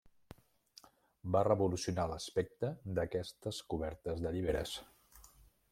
Va revolucionar l'aspecte d'aquestes cobertes de llibres.